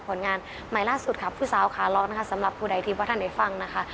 ผลงานใหม่ล่าสุดค่ะผู้สาวขาล็อกนะคะสำหรับผู้ใดที่ว่าท่านได้ฟังนะคะ